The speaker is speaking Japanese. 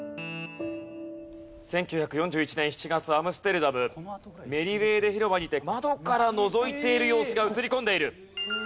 １９４１年７月アムステルダムメルウェーデ広場にて窓からのぞいている様子が映り込んでいる。